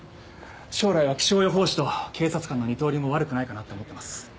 将来は気象予報士と警察官の二刀流も悪くないかなって思ってます。